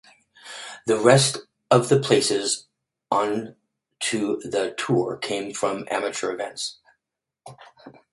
The rest of the places on to the tour came from amateur events.